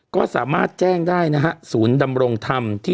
ก็สามารถแจ้งได้นะฮะศูนย์ดำรงธรรมที่